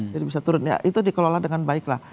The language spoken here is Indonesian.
jadi bisa turun itu dikelola dengan baiklah